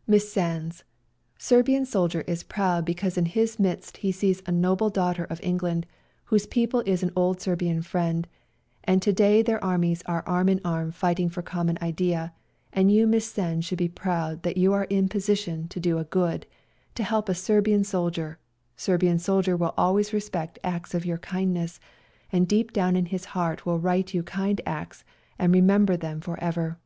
" Miss Sandes !" Serbian soldier is proud because in his midst he sees a noble daughter of England, whose people is an old Serbian friend, and to day their armies are arm in arm fighting for common idea, and you Miss Sandes should be proud that you are in position to do a good, to help a Serbian soldier — Serbian soldier will always respect acts of your kindness and deep down in his heart will write you kind acts and remember them for ever.